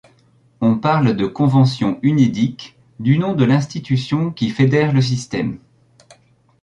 On parle de convention Unédic, du nom de l'institution qui fédère le système.